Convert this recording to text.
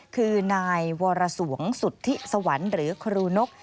คือนายวรสวงสุธิสวรรค์หรือครูนก